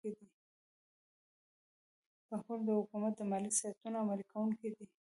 بانکونه د حکومت د مالي سیاستونو عملي کوونکي دي.